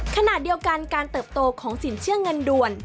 ขณะเดียวกันการเติบโตของสินเชื่อเงินด่วน